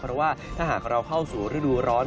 เพราะว่าถ้าหากเราเข้าสู่ฤดูร้อน